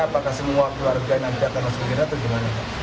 apakah semua keluarga yang datang ke gerindra itu gimana